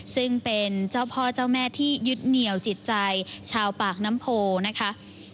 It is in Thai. ซึ่งเป็นเจ้าพ่อเจ้าแม่ที่ยึดเหนียวจิตใจชาวปากน้ำโพนะคะ